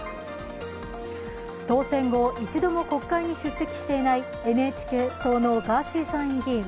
当選後、一度も国会に出席していないＮＨＫ党のガーシー参院議員。